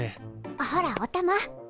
あほらっおたま。